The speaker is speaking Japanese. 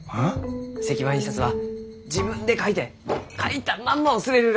石版印刷は自分で描いて描いたまんまを刷れるらあ